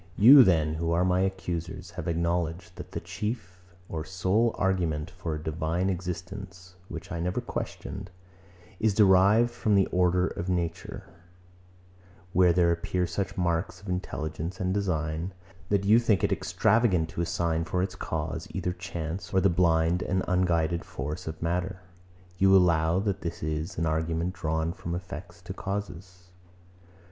105. You then, who are my accusers, have acknowledged, that the chief or sole argument for a divine existence (which I never questioned) is derived from the order of nature; where there appear such marks of intelligence and design, that you think it extravagant to assign for its cause, either chance, or the blind and unguided force of matter. You allow, that this is an argument drawn from effects to causes.